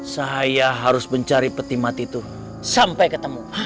saya harus mencari peti mati itu sampai ketemu